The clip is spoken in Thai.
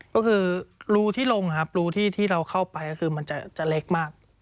ก็คือรูที่ลงครับรูที่เราเข้าไปก็คือมันจะเล็กมาก